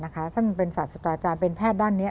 ซึ่งเป็นศาสตราอาจารย์เป็นแพทย์ด้านนี้